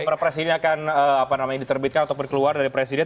perpres ini akan diterbitkan ataupun keluar dari presiden